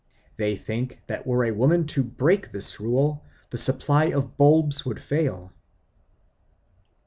They think that were a woman to break this rule, the supply of bulbs would fail.